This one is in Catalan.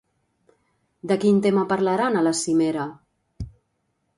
De quin tema parlaran a la cimera?